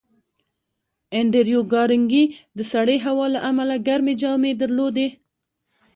انډریو کارنګي د سړې هوا له امله ګرمې جامې درلودې